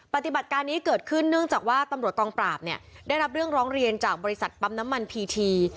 ปฏิบัติการนี้เกิดขึ้นเนื่องจากว่าตำรวจกองปราบเนี่ยได้รับเรื่องร้องเรียนจากบริษัทปั๊มน้ำมันพีที